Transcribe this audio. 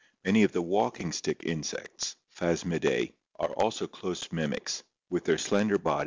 Many of the walking stick in sects (Phasmida?) are also close mim ics, with their slender body, at FlQ.